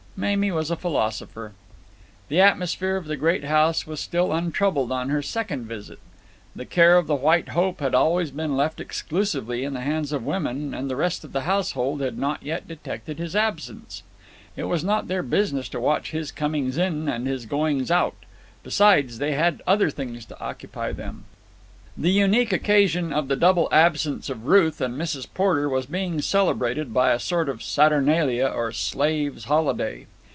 Mamie was a philosopher. The atmosphere of the great house was still untroubled on her second visit. The care of the White Hope had always been left exclusively in the hands of the women, and the rest of the household had not yet detected his absence. It was not their business to watch his comings in and his goings out. Besides, they had other things to occupy them. The unique occasion of the double absence of Ruth and Mrs. Porter was being celebrated by a sort of Saturnalia or slaves' holiday.